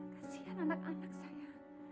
kesian anak anak saya